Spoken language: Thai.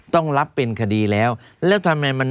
ต้องรับเป็นคดีแล้วแล้วทำไมมัน